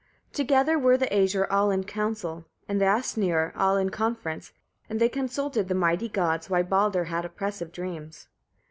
1. Together were the Æsir all in council, and the Asyniur all in conference, and they consulted, the mighty gods, why Baldr had oppressive dreams.